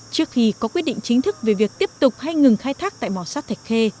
trước khi có quyết định chính thức về việc tiếp tục hay ngừng khai thác tại mỏ sắt thạch khê